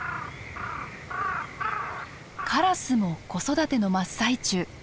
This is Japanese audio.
カラスも子育ての真っ最中。